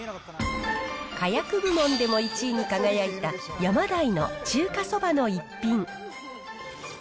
かやく部門でも１位に輝いた、ヤマダイの中華そばの逸品。